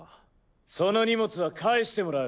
その荷物は返してもらう。